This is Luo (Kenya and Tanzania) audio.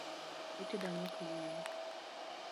Itedo ang'o kawuono